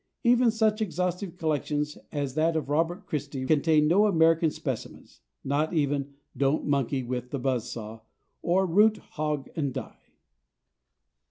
Even such exhaustive collections as that of Robert Christy contain no American specimens not even "Don't monkey with the buzz saw" or "Root, hog, or die."